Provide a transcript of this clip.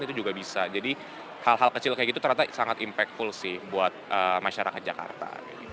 itu juga bisa jadi hal hal kecil kayak gitu ternyata sangat impactful sih buat masyarakat jakarta